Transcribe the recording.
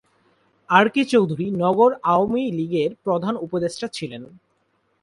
আর K Chowdhury নগর আওয়ামী লীগের প্রধান উপদেষ্টা ছিলেন।